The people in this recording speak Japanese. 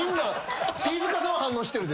飯塚さんは反応してるで。